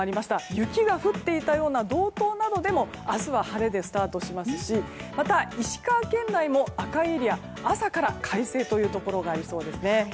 雪が降っていた道東でも明日は晴れでスタートしますしまた、石川県内も赤いエリア朝から快晴というところがありそうです。